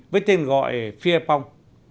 với tên gọi fear pong